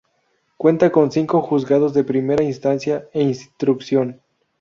Cuenta con cinco Juzgados de Primera Instancia e Instrucción.